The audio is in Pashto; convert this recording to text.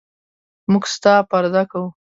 موږ ستا پرده کوو.